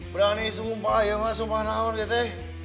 berani sumpah ayam mah sumpah naun teh